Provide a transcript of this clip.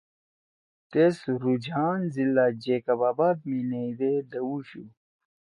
تیس روجھان ضلع جیکب آباد می نیئی دے دؤوشُو